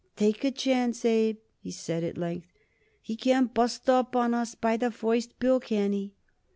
"Take a chance, Abe," he said at length. "He can't bust up on us by the first bill. Can he?"